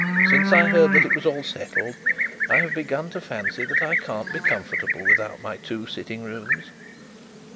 Since I heard that it was all settled, I have begun to fancy that I can't be comfortable without my two sitting rooms.'